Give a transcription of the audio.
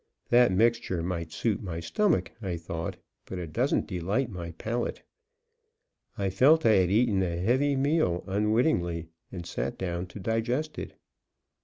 That mixture might suit my stomach, I thought, but it doesn't delight my palate. I felt I had eaten a heavy meal unwittingly, and sat down to digest it.